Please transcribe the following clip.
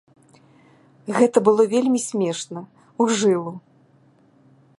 Гэта было вельмі смешна, у жылу.